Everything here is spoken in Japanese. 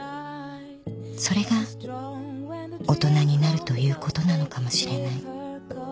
［それが大人になるということなのかもしれない］